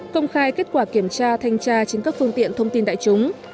công khai kết quả kiểm tra thanh tra trên các phương tiện thông tin đại chúng